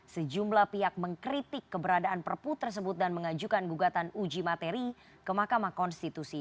sejumlah pihak mengkritik keberadaan perpu tersebut dan mengajukan gugatan uji materi ke mahkamah konstitusi